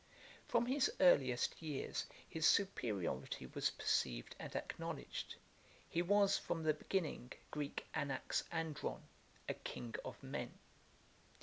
From his earliest years his superiority was perceived and acknowledged. He was from the beginning [Greek: anax andron], a king of men.